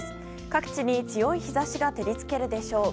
各地に強い日差しが照りつけるでしょう。